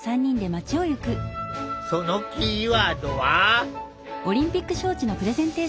そのキーワードは。